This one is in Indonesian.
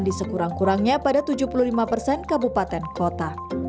di sekurang kurangnya pada tujuh puluh lima persen kabupaten kota